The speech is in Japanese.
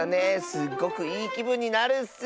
すっごくいいきぶんになるッス。